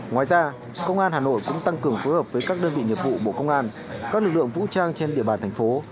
ngoài ra công an hà nội cũng tăng cường phối hợp với các đơn vị nghiệp vụ bộ công an các lực lượng vũ trang trên địa bàn thành phố